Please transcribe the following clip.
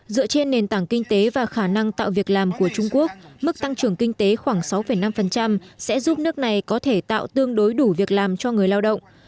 dựa trên nền tảng kinh tế và khả năng tạo việc làm của trung quốc mức tăng trưởng kinh tế khoảng sáu năm sẽ giúp nước này có thể tạo tương đối đủ việc làm cho người lao động